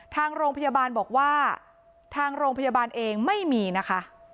ทางโรงพยาบาลบอกว่าทางโรงพยาบาลเองไม่มีนะคะ